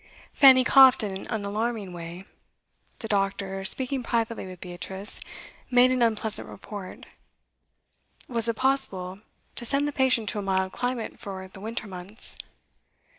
Fanny coughed in an alarming way; the doctor, speaking privately with Beatrice, made an unpleasant report; was it possible to send the patient to a mild climate for the winter months?